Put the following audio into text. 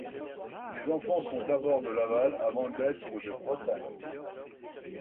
Les enfants sont d'abord de Laval avant d'être de Bretagne.